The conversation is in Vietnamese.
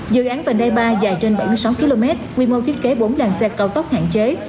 dự án vành đai ba dài trên bảy mươi sáu km quy mô thiết kế bốn làng xe cao tốc hạn chế